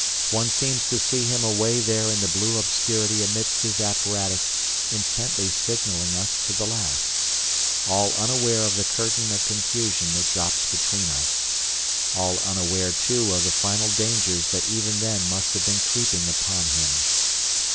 One seems to see him away there in the blue obscurity amidst his apparatus intently signalling us to the last, all unaware of the curtain of confusion that drops between us; all unaware, too, of the final dangers that even then must have been creeping upon him.